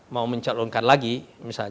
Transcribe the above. mau mencalonkan lagi